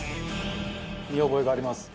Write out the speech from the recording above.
「見覚えがあります」